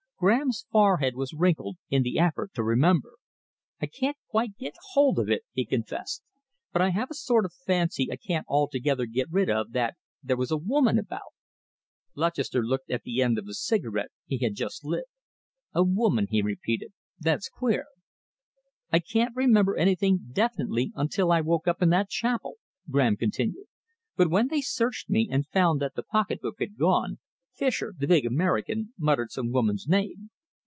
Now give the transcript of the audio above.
Graham's forehead was wrinkled in the effort to remember. "I can't quite get hold of it," he confessed, "but I have a sort of fancy I can't altogether get rid of that there was a woman about." Lutchester looked at the end of the cigarette he had just lit. "A woman?" he repeated. "That's queer." "I can't remember anything definitely until I woke up in that chapel," Graham continued, "but when they searched me and found that the pocketbook had gone, Fischer, the big American, muttered some woman's name.